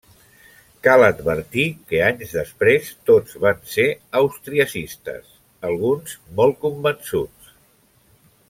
Cal advertir que anys després tots van ser austriacistes, alguns molt convençuts.